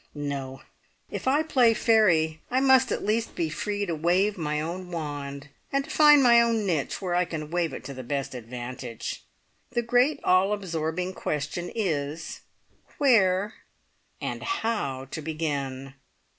No! If I play fairy, I must at least be free to wave my own wand, and to find my own niche where I can wave it to the best advantage. The great, all absorbing question is where and how to begin?